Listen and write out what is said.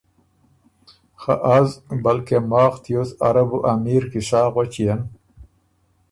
خه از بلکې ماخ تیوس اره بو امیر کی سا غؤݭيېن